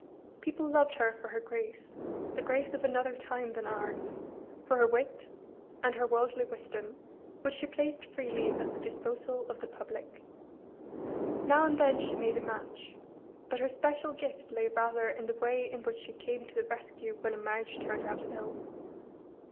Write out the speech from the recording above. People loved her for her grace the grace of another time than ours for her wit, and her worldly wisdom, which she placed freely at the disposal of the public. Now and then she made a match: but her special gift lay rather in the way in which she came to the rescue when a marriage turned out ill.